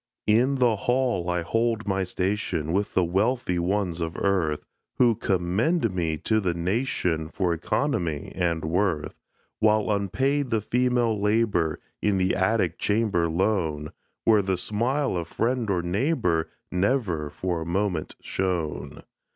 In the hall I hold my station, With the wealthy ones of earth, Who commend me to the nation For economy and worth, While unpaid the female labor, In the attic chamber lone, Where the smile of friend or neighbor Never for a moment shone.